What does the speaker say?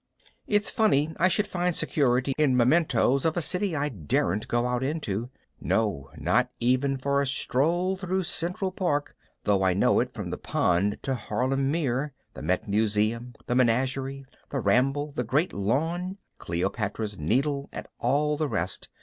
It's funny I should find security in mementos of a city I daren't go out into no, not even for a stroll through Central Park, though I know it from the Pond to Harlem Meer the Met Museum, the Menagerie, the Ramble, the Great Lawn, Cleopatra's Needle and all the rest.